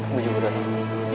gue juga udah tau